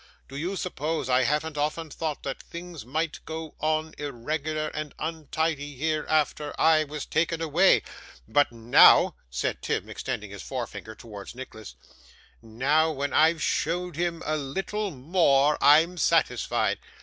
Do you suppose I haven't often thought that things might go on irregular and untidy here, after I was taken away? But now,' said Tim, extending his forefinger towards Nicholas, 'now, when I've shown him a little more, I'm satisfied.